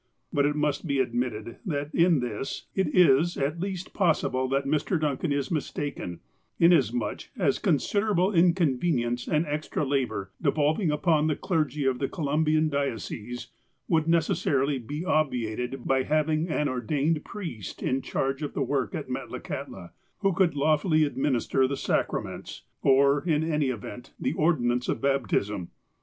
But it must be admitted that in this it is at least possi ble that Mr. Duncan is mistaken, inasmuch as consider able inconvenience and extra labour, devolving upon the clergy of the Columbian diocese, would necessarily be obviated by having an ordained priest in charge of the work at Metlakahtla, who could lawfully administer the sacraments, or, in any event, the ordinance of baptism.